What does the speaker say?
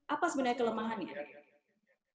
apa sebenarnya kelemahan ini